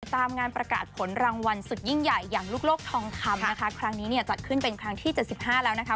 ตามงานประกาศผลรางวัลสุดยิ่งใหญ่อย่างลูกโลกทองคำนะคะครั้งนี้เนี่ยจัดขึ้นเป็นครั้งที่เจ็ดสิบห้าแล้วนะคะ